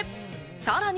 さらに。